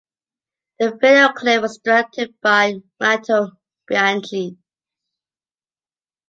The videoclip was directed by Matteo Bianchi.